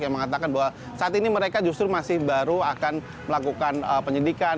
yang mengatakan bahwa saat ini mereka justru masih baru akan melakukan penyidikan